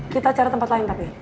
kita cari tempat lain tapi